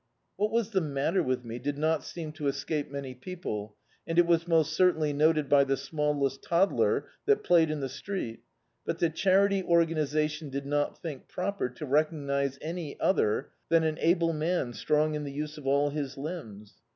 What was the matter with me did not seem to escape many people, and it was most certainly noted by the smallest toddler that played in the street, but the Charity Organisation did not think pn^r to recognise any other than an [333! Dictzed by Google The Autobiography of a Super Tramp able man, strong in die use of all his limbs.